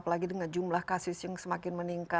apalagi dengan jumlah kasus yang semakin meningkat